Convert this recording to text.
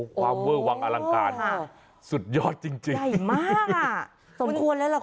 แล้วก็วางทางก๋วยเตี๋ยวไว้อ่า